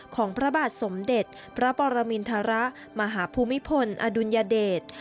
ของพระบาทสมเด็จพระปรมินทรมาหาภูมิพลอดุลยเดช